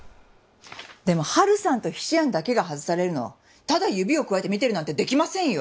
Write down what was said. でも春さんと菱やんだけが外されるのをただ指をくわえて見てるなんてできませんよ！